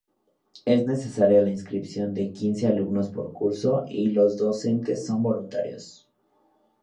Es necesaria la inscripción de quince alumnos por curso y los docentes son voluntarios.